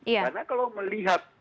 karena kalau melihat